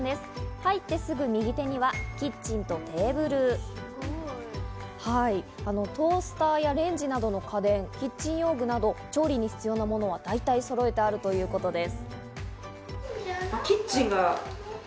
入ってすぐ右手にはキッチンとテーブル、トースターやレンジなどの家電、キッチン用具など、調理に必要なものは大体そろえてあるということです。